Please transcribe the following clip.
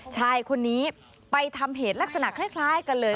ชายคนนี้ไปทำเหตุลักษณะคล้ายกันเลย